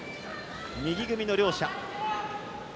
右組みの両者。